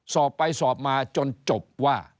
สอบไปสอบมาจนจบว่า